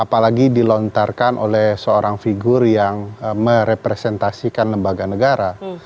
apalagi dilontarkan oleh seorang figur yang merepresentasikan lembaga negara